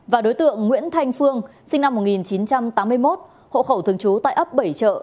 và đối tượng nguyễn thanh phương sinh năm một nghìn chín trăm tám mươi một hộ khẩu thường trú tại ấp bảy trợ